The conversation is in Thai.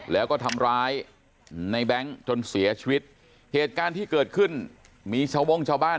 แล้วก็ทำร้ายในแบงค์จนเสียชีวิตเหตุการณ์ที่เกิดขึ้นมีชาววงชาวบ้าน